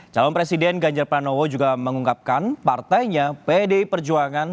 calon presiden ganjar pranowo juga mengungkapkan partainya pdi perjuangan